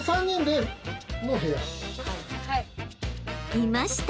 ［いました。